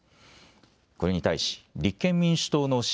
これに対し立憲民主党の階